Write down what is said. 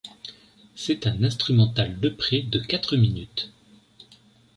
C'est un instrumental de près de quatre minutes.